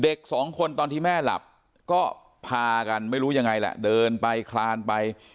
เด็กสองคนตอนที่แม่หลับก็พากันไม่รู้ยังไงแหละเดินไปคลานไป